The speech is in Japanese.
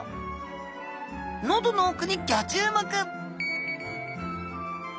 喉の奥にギョ注目！